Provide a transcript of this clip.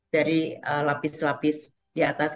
dari lapis lapis di atas